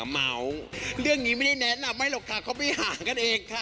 เมาส์เรื่องนี้ไม่ได้แนะนำไม่หรอกค่ะเขาไปหากันเองค่ะ